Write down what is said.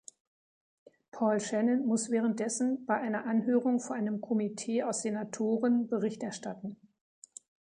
Paul Shannon muss währenddessen bei einer Anhörung vor einem Komitee aus Senatoren Bericht erstatten.